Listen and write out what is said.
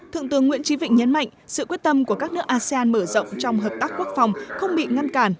thượng tướng nguyễn trí vịnh nhấn mạnh sự quyết tâm của các nước asean mở rộng trong hợp tác quốc phòng không bị ngăn cản